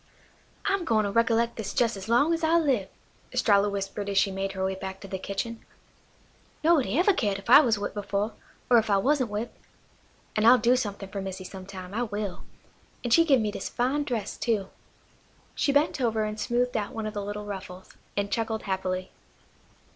"I'm gwine to recollect this jes' as long as I live," Estralla whispered as she made her way back to the kitchen. "Nobuddy ever cared if I was whipped before, or if I wasn't whipped. An' I'll do somethin' fer Missy sometime, I will. An' she give me dis fine dress too." She bent over and smoothed out one of the little ruffles, and chuckled happily.